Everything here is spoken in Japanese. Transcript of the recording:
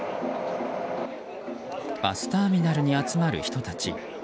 バスターミナルに集まる人たち。